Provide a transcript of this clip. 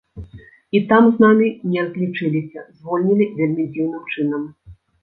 І там з намі не разлічыліся, звольнілі вельмі дзіўным чынам.